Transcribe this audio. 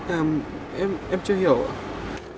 em em em chưa hiểu ạ